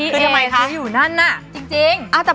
คือทำไมคะจริง